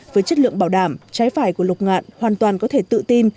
với chất lượng bảo đảm trái vải của lục ngạn hoàn toàn có thể tự tin